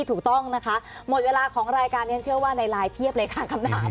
ถูกต้องนะคะหมดเวลาของรายการนี้ฉันเชื่อว่าในไลน์เพียบเลยค่ะคำถาม